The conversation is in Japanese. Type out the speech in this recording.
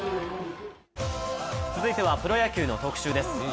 続いてはプロ野球の特集です。